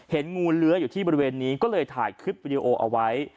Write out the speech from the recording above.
งูเลื้ออยู่ที่บริเวณนี้ก็เลยถ่ายคลิปวิดีโอเอาไว้